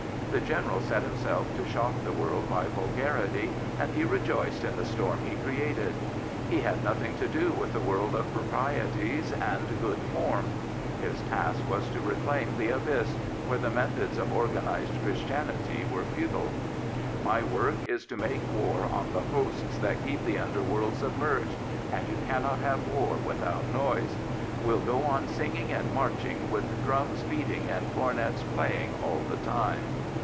The General set himself to shock the world by vulgarity, and he rejoiced in the storm he created. He had nothing to do with the world of proprieties and " good form.*' His task was to reclaim the Abyss, where the methods of organised Christianity were futile. My work is to make war on the hosts that keep the underworld submerged, and you cannot have war without noise. We'll go on singing and marching with drums beat ing and cornets playing all the time."